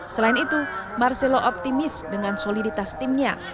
selain itu marcelo optimis dengan soliditas timnya